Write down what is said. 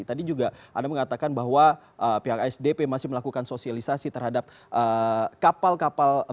tadi juga anda mengatakan bahwa pihak asdp masih melakukan sosialisasi terhadap kapal kapal baru dari pihak pt pelni sendiri